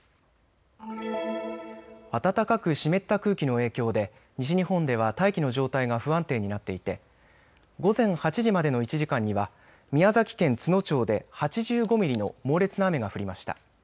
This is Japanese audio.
暖かく湿った空気の影響で西日本では大気の状態が不安定になっていて午前８時までの１時間には宮崎県都農町で８５ミリの猛烈な雨が降りました。